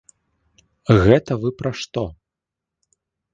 Гэта вы пра што?